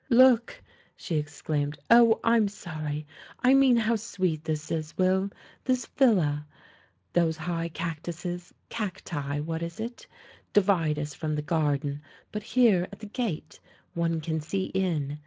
"Look!" she exclaimed. "Oh! I'm sorry. ... I mean how sweet this is, Will, this villa. Those high cactuses — cacti, what is it? — divide us from the garden, but here, at the gate, one can see in.